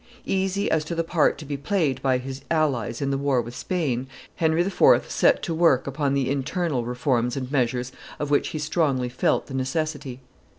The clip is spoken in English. Easy as to the part to be played by his allies in the war with Spain, Henry IV. set to work upon the internal reforms and measures of which he strongly felt the necessity.